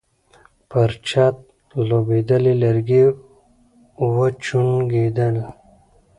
پر چت لوېدلي لرګي وچونګېدل.